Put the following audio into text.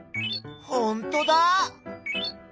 ほんとだ！